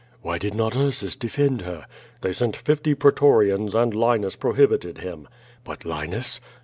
"Why did not Ursus defend her?" "They sent fifty pretorians, and Linus prohibited him." "But Linus?"